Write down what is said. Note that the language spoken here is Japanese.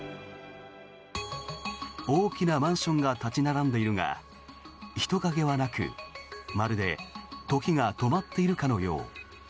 大きなマンションが立ち並んでいるが、人影はなくまるで時が止まっているかのよう。